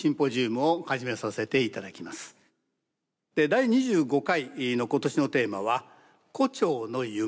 第２５回の今年のテーマは「胡蝶の夢」。